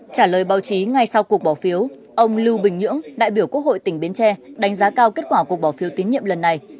trả lời báo chí ngay sau cuộc bỏ phiếu ông lưu bình nhưỡng đại biểu quốc hội tỉnh bến tre đánh giá cao kết quả cuộc bỏ phiếu tín nhiệm lần này